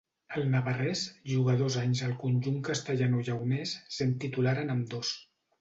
El navarrès juga dos anys al conjunt castellanolleonès, sent titular en ambdós.